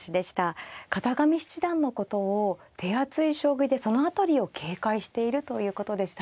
片上七段のことを手厚い将棋でその辺りを警戒しているということでしたね。